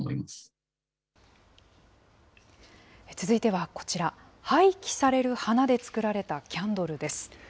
続いてはこちら、廃棄される花で作られたキャンドルです。